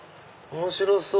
面白そう！